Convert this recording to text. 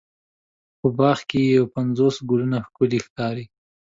په باغ کې یو پنځوس ګلونه ښکلې ښکاري.